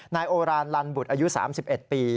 นายโอรานลันบุตรอายุ๓๑ปี